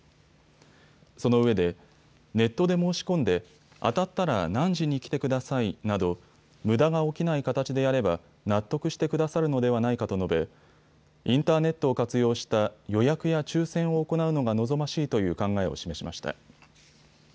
そのうえでネットで申し込んで当たったら何時に来てくださいなどむだが起きない形でやれば納得してくださるのではないかと述べインターネットを活用した予約や抽せんを行うのが望ましいという考えを示しました。